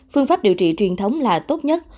phương pháp điều trị truyền thống là tốt nhất